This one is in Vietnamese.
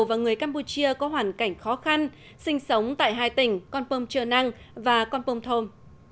và người campuchia có hoàn cảnh khó khăn sinh sống tại hai tỉnh con pông trường năng và con pông thôn